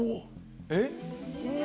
えっ？